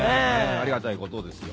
ありがたいことですよ